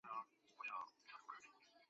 二籽薹草是莎草科薹草属的植物。